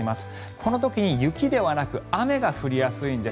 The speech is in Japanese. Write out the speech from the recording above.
この時に雪ではなく雨が降りやすいんです。